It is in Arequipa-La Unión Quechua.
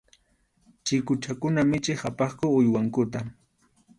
Chikuchakuna michiq apaqku uywankuta.